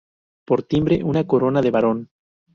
Por timbre, una corona de barón.